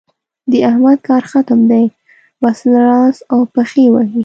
د احمد کار ختم دی؛ بس لاس او پښې وهي.